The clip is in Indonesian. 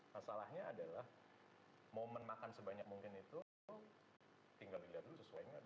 masalahnya adalah momen makan sebanyak mungkin itu tinggal dilihat dulu sesuai nggak